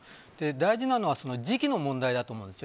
大事なのは時期の問題だと思うんです。